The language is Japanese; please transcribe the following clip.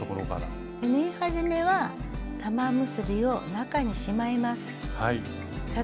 縫い始めは玉結びを中にしまいます。